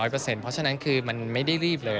เพราะฉะนั้นคือมันไม่ได้รีบเลย